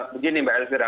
begini mbak elvira